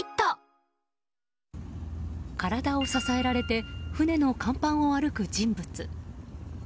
体を支えられて船の甲板を歩く人物。